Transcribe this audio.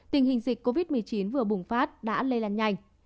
tình hình dịch covid một mươi chín vừa bùng phát đã lây lan nhanh